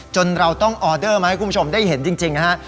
เราต้องออเดอร์มาให้คุณผู้ชมได้เห็นจริงนะฮะ